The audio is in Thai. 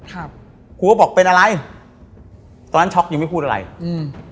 ครับครูก็บอกเป็นอะไรตอนนั้นช็อกยังไม่พูดอะไรอืม